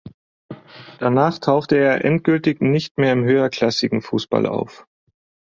Danach tauchte er endgültig nicht mehr im höherklassigen Fußball auf.